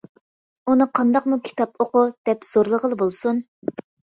ئۇنى قانداقمۇ «كىتاب ئوقۇ» دەپ زورلىغىنى بولسۇن!